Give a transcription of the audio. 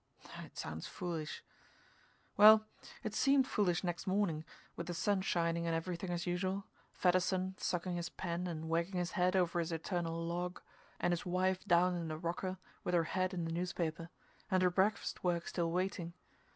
It sounds foolish. Well, it seemed foolish next morning, with the sun shining and everything as usual Fedderson sucking his pen and wagging his head over his eternal "log," and his wife down in the rocker with her head in the newspaper, and her breakfast work still waiting.